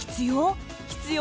必要？